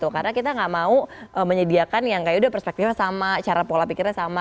karena kita nggak mau menyediakan yang kayak udah perspektifnya sama cara pola pikirnya sama